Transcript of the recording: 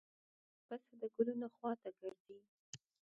پسه د ګلونو خوا ته ګرځي.